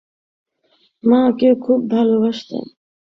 মা কে খুব ভালবাসতাম।